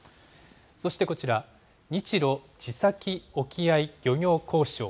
そしてこちら、日ロ地先沖合漁業交渉。